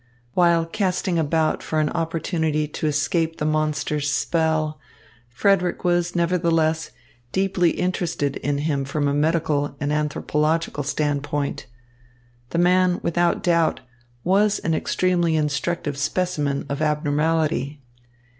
While casting about for an opportunity to escape the monster's spell, Frederick was nevertheless deeply interested in him from a medical and anthropological standpoint. The man, without doubt, was an extremely instructive specimen of abnormality.